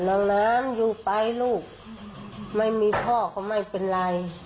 น้องน้ำอยู่ไปลูกไม่มีพ่อก็ไม่เป็นไร